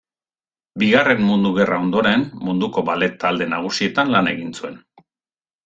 Bigarren Mundu Gerra ondoren, munduko ballet-talde nagusietan lan egin zuen.